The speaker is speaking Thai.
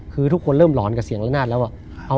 คือทุกคนเริ่มหลอนกับเสียงละนาดแล้ว